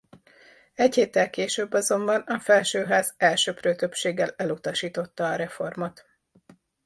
Egy héttel később azonban a felsőház elsöprő többséggel elutasította a reformot.